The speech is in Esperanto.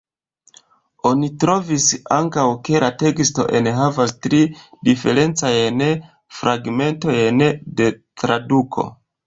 Oni trovis ankaŭ, ke la teksto enhavas tri diferencajn fragmentojn de traduko.